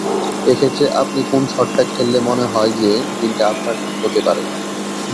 এ ক্ষেত্রে আপনি কোন শটটা খেললে মনে হয় যে, দিনটা আপনার হতে পারে?